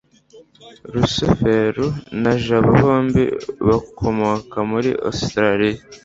rusufero na jabo bombi bakomoka muri ositaraliya